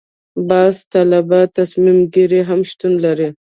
بحث طلبه تصمیم ګیري هم شتون لري.